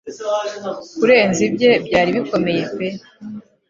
Kurenza ibye byari bikomeye pe